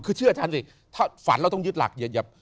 คือเชื่ออาจารย์สิฝันเราต้องยึดหลัก